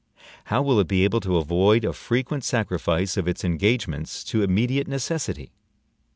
How will it be able to avoid a frequent sacrifice of its engagements to immediate necessity?